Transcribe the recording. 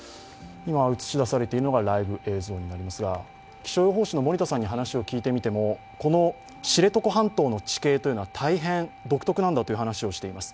映し出されているのがライブ映像になりますが気象予報士の森田さんに話を聞いてみても、知床半島の地形は大変独特なんだという話をしています。